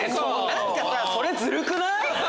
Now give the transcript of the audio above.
何かさそれズルくない？